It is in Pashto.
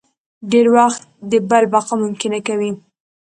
ډېری وخت د بل بقا ممکنه کوي.